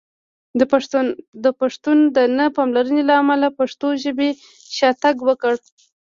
د پښتنو د نه پاملرنې له امله پښتو ژبې شاتګ وکړ!